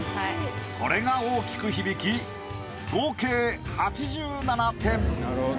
これが大きく響き合計８７点。